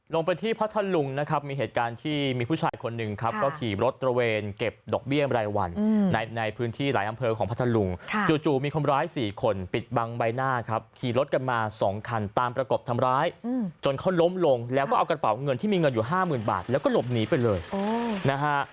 ลงไปที่พัทธลุงนะครับมีเหตุการณ์ที่มีผู้ชายคนหนึ่งครับก็ขี่รถตระเวนเก็บดอกเบี้ยรายวันในพื้นที่หลายอำเภอของพัทธลุงจู่มีคนร้าย๔คนปิดบังใบหน้าครับขี่รถกันมา๒คันตามประกบทำร้ายจนเขาล้มลงแล้วก็เอากระเป๋าเงินที่มีเงินอยู่ห้าหมื่นบาทแล้วก็หลบหนีไปเลยนะฮะ